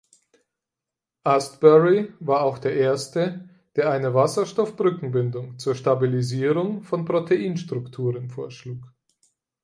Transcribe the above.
Astbury war auch der Erste, der eine Wasserstoffbrückenbindung zur Stabilisierung von Proteinstrukturen vorschlug.